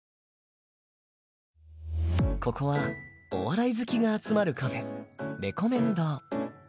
ここはお笑い好きが集まるカフェれこめん堂